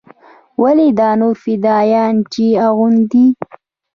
ولې دا نور فدايان چې يې اغوندي.